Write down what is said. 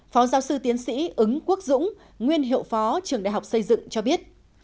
phó giáo sư tiến sĩ ứng quốc dũng nguyên hiệu phó trường đại học xây dựng cho biết